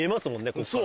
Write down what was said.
ここから。